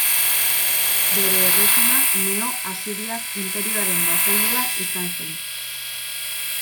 Bere erresuma Neo-asiriar inperioaren basailua izan zen.